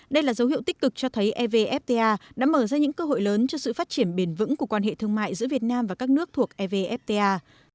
đây là dấu hiệu tích cực cho thấy evfta đã mở ra những cơ hội lớn cho sự phát triển bền vững của quan hệ thương mại giữa việt nam và các nước thuộc evfta